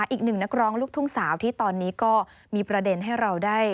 อีกหนึ่งนักร้องลูกทุ่งสาวที่ตอนนี้ก็มีประเด็นให้เราได้